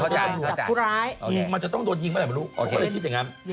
แต่อย่าลองดีนะพ่อแม่เนี๊ยะนะอือ